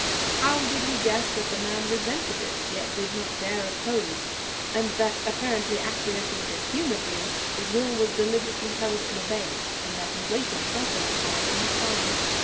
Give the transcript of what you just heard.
How did he guess that the man resented it, yet did not dare oppose, and that, apparently acquiescing good humouredly, his will was deliberately held in abeyance, and that he waited sulkily, biding his time?